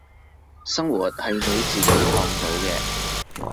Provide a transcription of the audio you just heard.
生活係你自己創造嘅